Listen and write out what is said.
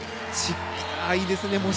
いいですね。